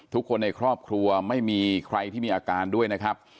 ทุกคนในครอบครัวไม่มีใครที่มีอาการด้วยนะครับ